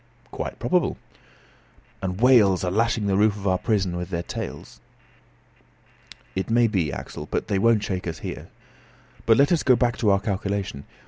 "Quite probable." "And whales are lashing the roof of our prison with their tails?" "It may be, Axel, but they won't shake us here. But let us go back to our calculation.